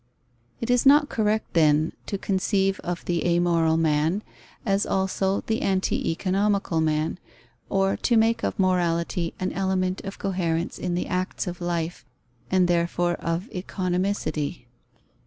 It is not correct, then, to conceive of the amoral man as also the anti economical man, or to make of morality an element of coherence in the acts of life, and therefore of economicity.